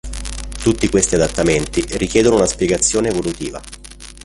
Tutti questi adattamenti richiedono una spiegazione evolutiva.